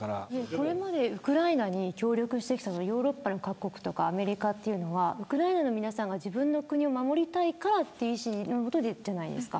これまでウクライナに協力してきたヨーロッパの各国とかアメリカというのはウクライナの皆さんが自分の国を守りたいからという意志の下じゃないですか。